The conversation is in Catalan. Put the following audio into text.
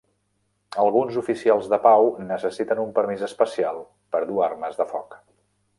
Alguns oficials de pau necessiten un permís especial per dur armes de foc.